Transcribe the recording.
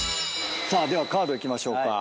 さあではカードいきましょうか。